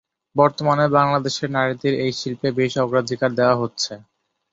বর্তমানে বাংলাদেশের নারীদের এই শিল্পে বেশি অগ্রাধিকার দেওয়া হচ্ছে।